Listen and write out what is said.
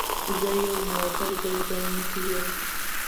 زه يو موټر ګرځونکی يم